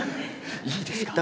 いいですか？